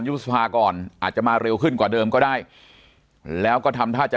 สภาก่อนอาจจะมาเร็วขึ้นกว่าเดิมก็ได้แล้วก็ทำท่าจะ